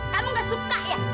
kamu gak suka ya